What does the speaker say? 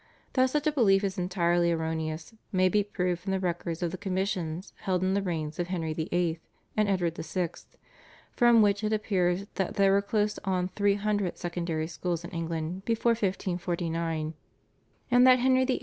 That such a belief is entirely erroneous may be proved from the records of the commissions held in the reigns of Henry VIII. and Edward VI., from which it appears that there were close on three hundred secondary schools in England before 1549, and that Henry VIII.